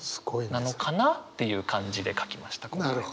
なのかな？っていう感じで書きましたこれは。